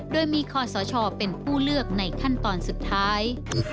โดยมีคอสชเป็นผู้เลือกในขั้นตอนสุดท้าย